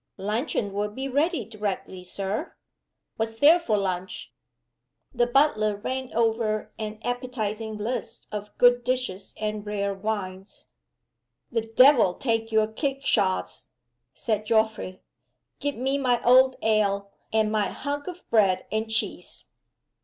"Luncheon will be ready directly, Sir." "What is there for lunch?" The butler ran over an appetizing list of good dishes and rare wines. "The devil take your kickshaws!" said Geoffrey. "Give me my old ale, and my hunk of bread and cheese."